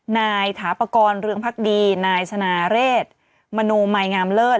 นายถาปกรณ์เรืองพักดีนายชนะเรศมนูมัยงามเลิศ